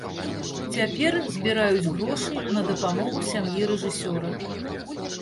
Цяпер збіраюць грошы на дапамогу сям'і рэжысёра.